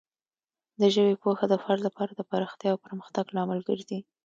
د ژبې پوهه د فرد لپاره د پراختیا او پرمختګ لامل ګرځي.